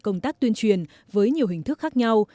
công tác tuyên truyền với nhiều hình thức khác nhau